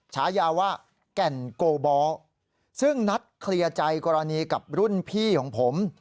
ฉายาว่าแก่นโกบอลซึ่งนัดเคลียร์ใจกรณีกับรุ่นพี่ของผม